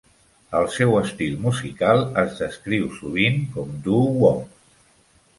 El seu estil musical es descriu sovint com doo-wop.